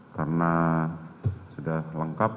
karena sudah lengkap